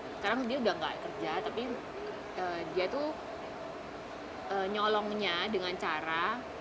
sekarang dia udah gak kerja tapi dia tuh nyolongnya dengan cara